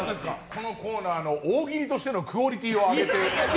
このコーナーの大喜利としてのクオリティーを上げてもらって。